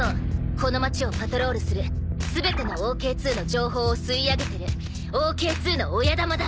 この町をパトロールする全てのＯＫ−２の情報を吸い上げてるＯＫ−２の親玉だ！